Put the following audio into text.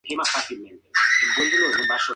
Finalmente el programa fue retirado de la parrilla.